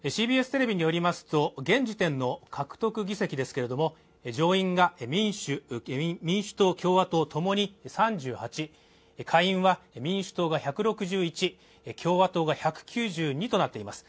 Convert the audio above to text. ＣＢＳテレビによりますと現時点の獲得議席ですけれども上院が民主党・共和党ともに３８下院は民主党が１６１共和党が１９２となっています